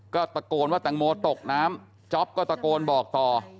ก็ตะโกนว่าแตงโมตกน้ำจ๊อปก็ตะโกนบอกต่อ